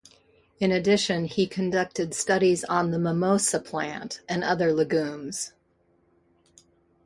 In addition, he conducted studies on the "Mimosa" plant and other legumes.